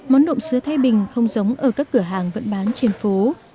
món nộm sứa thái bình không giống ở các cửa hàng vẫn bán trên phố